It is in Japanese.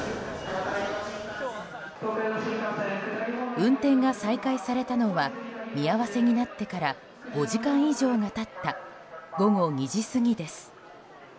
運転が再開されたのは見合わせになってから５時間以上が経った午後２時過ぎです。